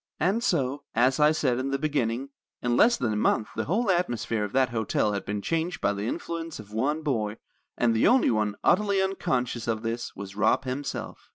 "And so, as I said in the beginning, in less than a month the whole atmosphere of that hotel had been changed by the influence of one boy; and the only one utterly unconscious of this was Rob himself."